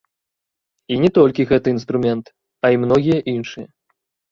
І не толькі гэты інструмент, а і многія іншыя.